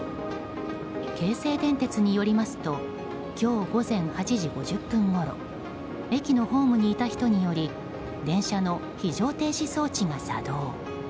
京成電鉄によりますと今日午前８時５０分ごろ駅のホームにいた人により電車の非常停止装置が作動。